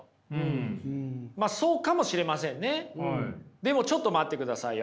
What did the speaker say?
でもちょっと待ってくださいよ。